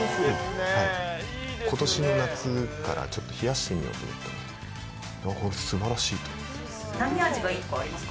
ことしの夏からちょっと冷やしてみようかなと、本当すばらしいと思ってます。